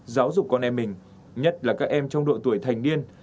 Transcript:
giáo dục con em mình nhất là các em trong độ tuổi thành niên